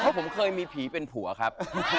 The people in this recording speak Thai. ผมเคยมีผีเป็นผัวครับ